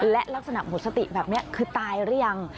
และลักษณะหมดสติแบบนี้คือตายหรือยัง